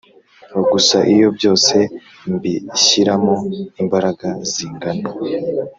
Gusa iyo byose mbishyiramo imbaraga zingana,